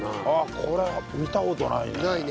これ見た事ないね。